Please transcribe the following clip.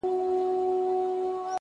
زړه تا دا كيسه شــــــــــروع كــړه!!